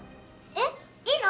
えっ？いいの？